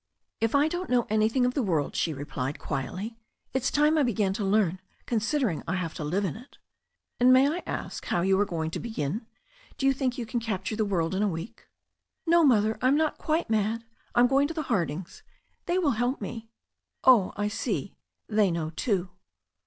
"If I don't know anything of the world," she replied quietly, "it's time I began to learn, considering I have to live in it" "And may I ask how you are going to begin? Do you think you can capture the world in a week?" "No, Mother. I am not quite mad. I am going to the Hardings; they will help me." "Oh, I see. They know too."